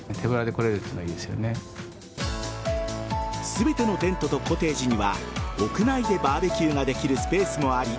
全てのテントとコテージには屋内でバーベキューができるスペースもあり